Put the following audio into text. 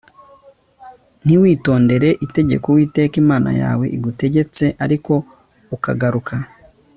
ntiwitondere itegeko Uwiteka Imana yawe igutegetse ariko ukagaruka